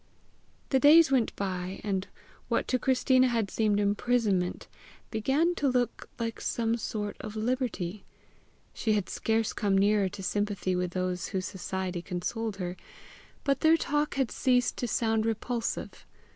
The days went by, and what to Christina had seemed imprisonment, began to look like some sort of liberty. She had scarce come nearer to sympathy with those whose society consoled her, but their talk had ceased to sound repulsive.